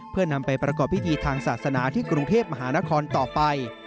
เพื่อนำไปประกอบพิธีทางศาสนาที่กรุงเทพมหานครต่อไป